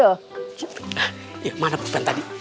eh dimana buku tadi